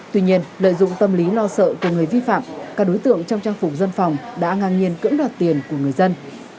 tuy nhiên lợi dụng tâm lý lo sợ của người vi phạm các đối tượng trong trang phục dân phòng đã ngang nhiên cưỡng đoạt tiền của người dân